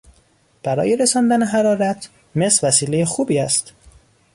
برای رساندن حرارت، مس وسیلهی خوبی است.